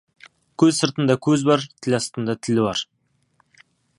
Көз сыртында көз бар, тіл астында тіл бар.